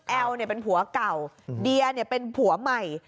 แอลเนี้ยเป็นผัวเก่าเดียเนี้ยเป็นผัวใหม่